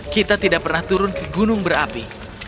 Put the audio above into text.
kita tidak pernah turun ke gunung berapi